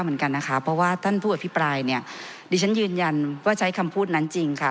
เหมือนกันนะคะเพราะว่าท่านผู้อภิปรายเนี่ยดิฉันยืนยันว่าใช้คำพูดนั้นจริงค่ะ